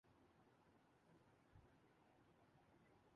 سُنا ہے حشر ہیں اُس کی غزال سی آنکھیں